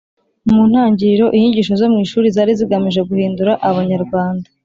Mu ntangiriro inyigisho zo mu ishuri zari zigamije guhindura Abanyarwanda